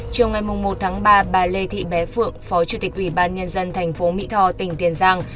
chiều ngày một tháng ba bà lê thị bé phượng phó chủ tịch ủy ban nhân dân thành phố mỹ tho tỉnh tiền giang